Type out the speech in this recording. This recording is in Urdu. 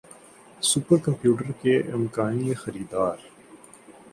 سُپر کمپوٹر کے امکانی خریدار